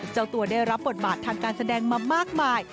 เจ้าตัวได้รับบทบาททางการแสดงมามากมาย